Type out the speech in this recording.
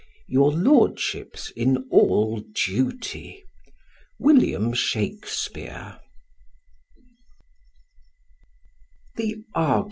Your lordship's in all duty, WILLIAM SHAKESPEARE.